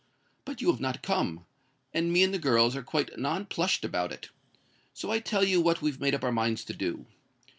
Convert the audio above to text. But you have not come; and me and the girls are quite non plushed about it. So I tell you what we've made up our minds to do.